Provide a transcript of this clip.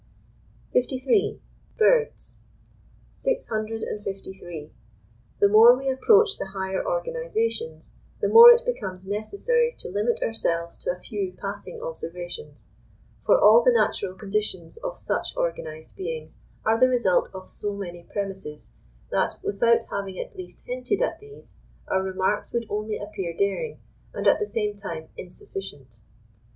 LIII. BIRDS. 653. The more we approach the higher organisations, the more it becomes necessary to limit ourselves to a few passing observations; for all the natural conditions of such organised beings are the result of so many premises, that, without having at least hinted at these, our remarks would only appear daring, and at the same time insufficient.